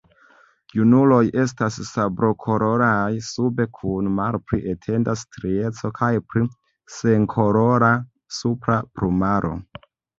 Junuloj estas sablokoloraj sube kun malpli etenda strieco kaj pli senkolora supra plumaro.